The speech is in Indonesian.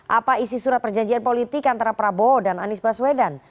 apa isi surat perjanjian politik antara prabowo dan anies baswedan